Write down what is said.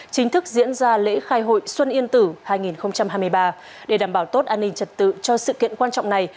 chính thức diễn ra lễ khai hội xuân yên tử hai nghìn hai mươi ba để đảm bảo tốt an ninh trật tự cho sự kiện quan trọng này